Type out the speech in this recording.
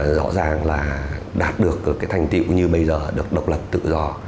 rõ ràng là đạt được cái thành tiệu như bây giờ được độc lập tự do